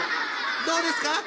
どうですか？